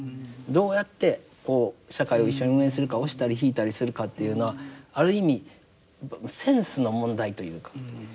どうやって社会を一緒に運営するか押したり引いたりするかっていうのはある意味センスの問題というか。